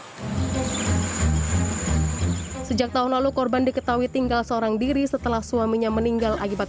hai sejak tahun lalu korban diketahui tinggal seorang diri setelah suaminya meninggal akibat